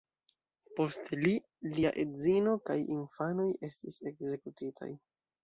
Poste li, lia edzino kaj infanoj estis ekzekutitaj.